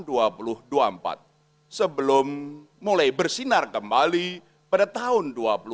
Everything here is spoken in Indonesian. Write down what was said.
dan akan tersinar kembali pada tahun dua ribu dua puluh lima